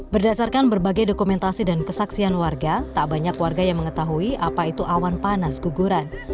berdasarkan berbagai dokumentasi dan kesaksian warga tak banyak warga yang mengetahui apa itu awan panas guguran